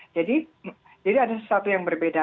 jadi ada sesuatu yang berbeda